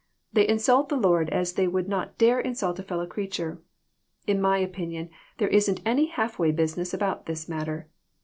They insult the Lord as they would not dare insult a fellow creature. In my opinion there isn't any half way business about this matter.